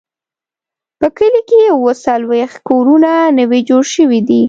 په کلي کې اووه څلوېښت کورونه نوي جوړ شوي دي.